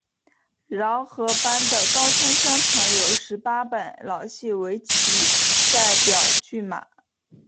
饶河班的高腔相传有十八本老戏为其代表剧码。